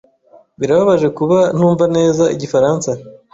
Birababaje kuba ntumva neza igifaransa.